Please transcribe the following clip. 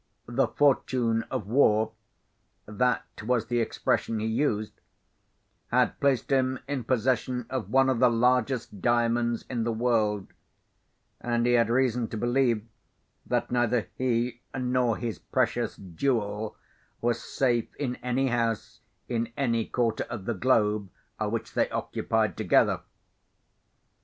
The fortune of war (that was the expression he used) had placed him in possession of one of the largest Diamonds in the world; and he had reason to believe that neither he nor his precious jewel was safe in any house, in any quarter of the globe, which they occupied together.